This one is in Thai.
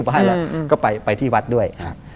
ผมไปที่วัดด้วย